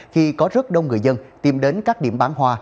khi có rất đông người dân tìm đến các điểm bán hoa